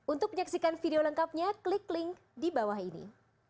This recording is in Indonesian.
untuk menyaksikan video lengkapnya klik link di bawah ini